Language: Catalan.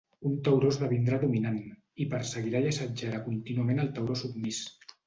Un tauró esdevindrà dominant i perseguirà i assetjarà contínuament el tauró submís.